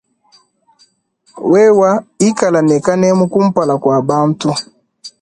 Wewa ikala ne kanemu kumpala kua bantu.